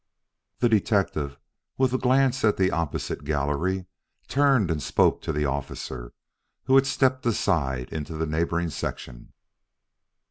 The detective, with a glance at the opposite gallery, turned and spoke to the officer who had stepped aside into the neighboring section.